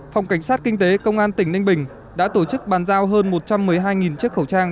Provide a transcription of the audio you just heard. phòng cảnh sát kinh tế công an tỉnh ninh bình đã tổ chức bàn giao hơn một trăm một mươi hai chiếc khẩu trang